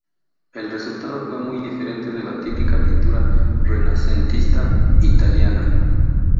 El resultado fue muy diferente de la típica pintura renacentista italiana.